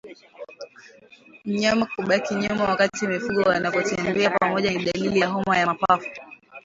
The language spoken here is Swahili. Mnyama kubaki nyuma wakati mifugo wanapotembea pamoja ni dalili ya homa ya mapafu